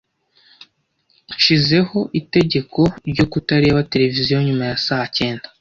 Nshizeho itegeko ryo kutareba televiziyo nyuma ya saa cyenda.